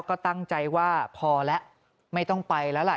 ก็ตั้งใจว่าพอแล้วไม่ต้องไปแล้วล่ะ